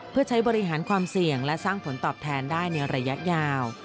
เพื่อใช้บริหารความเสี่ยงและสร้างผลตอบแทนได้ในระยะยาว